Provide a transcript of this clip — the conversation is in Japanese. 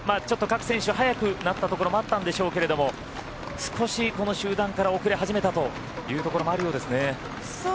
ちょっと各選手早くなったところもあったんでしょうけども少しこの集団から遅れ始めたというところもあるようですね。